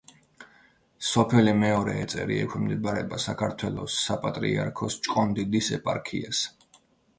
სოფელი მეორე ეწერი ექვემდებარება საქართველოს საპატრიარქოს ჭყონდიდის ეპარქიას.